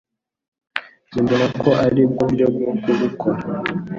Njye mbona ko aribwo buryo bwo kubikora.